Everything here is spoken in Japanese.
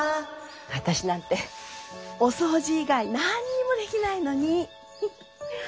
私なんてお掃除以外何にもできないのに。